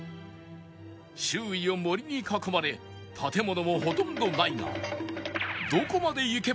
周囲を森に囲まれ建物もほとんどないがどこまで行けば